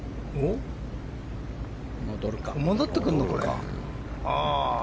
戻ってくるの、これ。